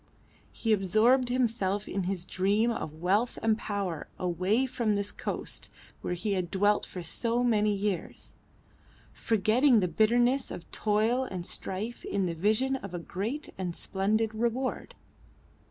He absorbed himself in his dream of wealth and power away from this coast where he had dwelt for so many years, forgetting the bitterness of toil and strife in the vision of a great and splendid reward.